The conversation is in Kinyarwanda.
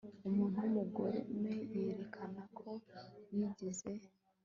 umuntu w'umugome yerekana ko yigize